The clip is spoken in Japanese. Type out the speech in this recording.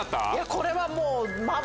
これはもう。